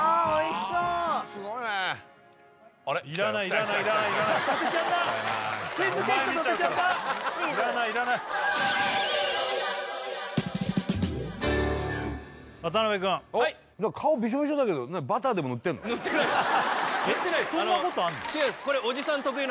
そんなことあんの？